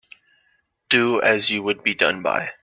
Do as you would be done by.